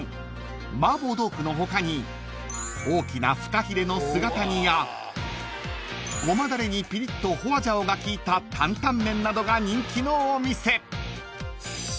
［麻婆豆腐の他に大きなフカヒレの姿煮やごまだれにピリッとホアジャオが効いた担々麺などが人気のお店］